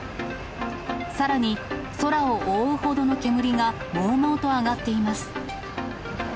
さらに空を覆うほどの煙がもうもうと上がっています。